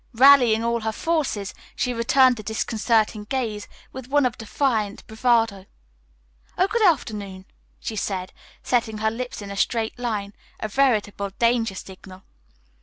Rallying all her forces, she returned the disconcerting gaze with one of defiant bravado. "Oh, good afternoon," she said, setting her lips in a straight line, a veritable danger signal.